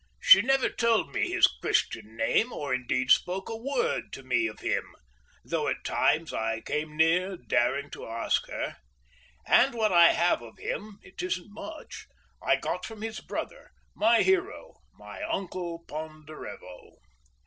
She never told me his christian name or indeed spoke a word to me of him; though at times I came near daring to ask her: add what I have of him—it isn't much—I got from his brother, my hero, my uncle Ponderevo.